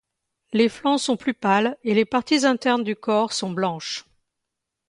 Les flancs sont plus pâles et les parties internes du corps sont blanches.